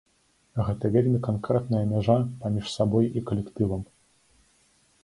Гэта вельмі канкрэтная мяжа паміж сабой і калектывам.